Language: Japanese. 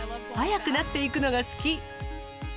速くなっていくのが好き。